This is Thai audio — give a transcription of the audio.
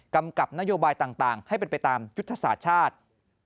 ำกับนโยบายต่างให้เป็นไปตามยุทธศาสตร์ชาติ